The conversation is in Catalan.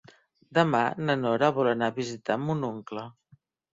Demà na Nora vol anar a visitar mon oncle.